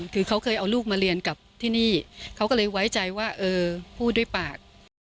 เขาก็เลยไว้ใจว่าเออพูด้วยปาก